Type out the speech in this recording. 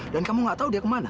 dan kamu nggak tahu dia ke mana